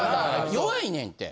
弱いねんて。